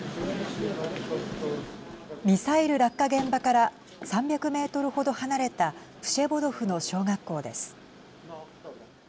ミサイル落下現場から３００メートル程離れたプシェボドフの小学校です。